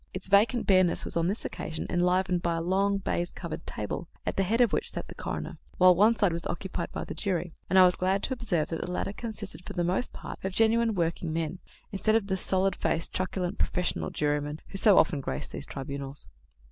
Its vacant bareness was on this occasion enlivened by a long, baize covered table, at the head of which sat the coroner, while one side was occupied by the jury; and I was glad to observe that the latter consisted, for the most part, of genuine working men, instead of the stolid faced, truculent "professional jurymen" who so often grace these tribunals.